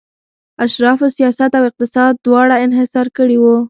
اشرافو سیاست او اقتصاد دواړه انحصار کړي وو